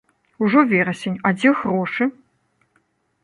Ужо верасень, а дзе грошы?